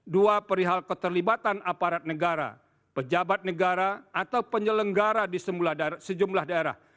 dua perihal keterlibatan aparat negara pejabat negara atau penyelenggara di sejumlah daerah